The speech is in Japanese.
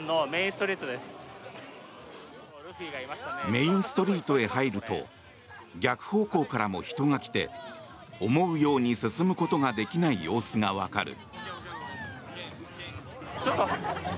メインストリートへ入ると逆方向からも人が来て思うように進むことができない様子がわかる。